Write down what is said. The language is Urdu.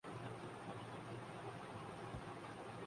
تو اپنی خواہشوں کی غلامی میں اپنی بربادی کا سامان خود پیدا کرتا ہے ۔